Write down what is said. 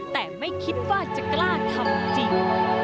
แต่ไม่คิดว่าจะกล้าทำจริง